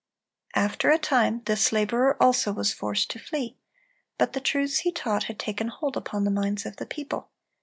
After a time this laborer also was forced to flee; but the truths he taught had taken hold upon the minds of the people.